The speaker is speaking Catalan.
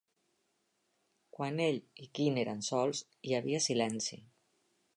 Quan ell i Quinn eren sols, hi havia silenci.